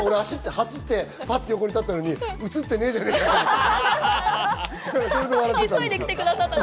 走って横に立ったのに映ってねえじゃねぇかって思ったの。